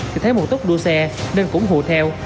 thì thấy một tốt đua xe nên cũng hù theo